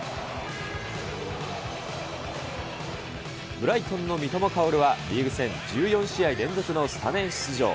ブライトンの三笘薫はリーグ戦１４試合連続のスタメン出場。